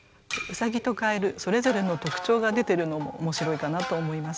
兎と蛙それぞれの特徴が出てるのも面白いかなと思います。